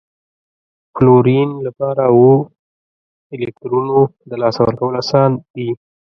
د فلورین لپاره اوو الکترونو د لاسه ورکول اسان دي؟